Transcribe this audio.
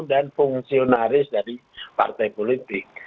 dan fungsionaris dari partai politik